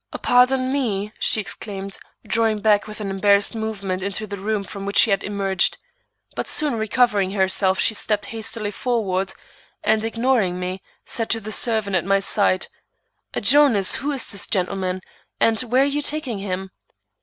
"Pardon me," she exclaimed, drawing back with an embarrassed movement into the room from which she had emerged. But soon recovering herself, she stepped hastily forward, and ignoring me, said to the servant at my side: "Jonas, who is this gentleman, and where are you taking him?"